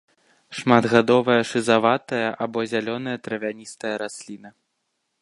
Шматгадовая шызаватая або зялёная травяністая расліна.